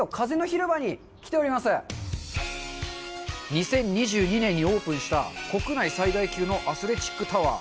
２０２２年にオープンした国内最大級のアスレチックタワー